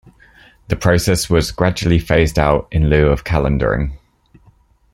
The process was gradually phased out, in lieu of Calendering.